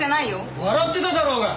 笑ってただろうが！